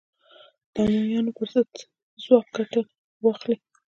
د امویانو پر ضد ځواک ګټه واخلي